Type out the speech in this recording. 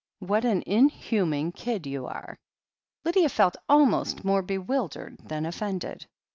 What an inhuman kid you are !" Lydia felt almost more bewildered than offended.